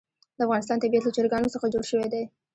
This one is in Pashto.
د افغانستان طبیعت له چرګانو څخه جوړ شوی دی.